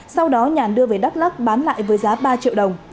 sau đó nhàn đưa về đắk lắc bán lại với giá ba triệu đồng